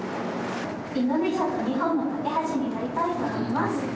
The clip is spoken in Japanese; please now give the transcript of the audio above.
インドネシアと日本の懸け橋になりたいと思います。